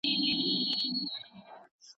د واسکټ شیطانان